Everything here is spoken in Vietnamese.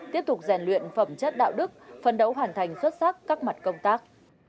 tiếp tục rèn luyện phẩm chất đạo đức phân đấu hoàn thành xuất sắc các mặt công tác